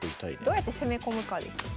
どうやって攻め込むかですよ。